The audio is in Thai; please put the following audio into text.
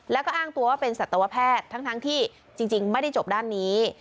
แล้วก็อ้างตัวว่าเป็นสัตวแพทย์ทั้งที่จริงไม่ได้จบด้านนี้